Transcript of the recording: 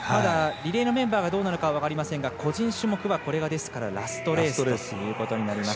リレーのメンバーはどうなるか分かりませんが個人種目はこれがラストレースとなります。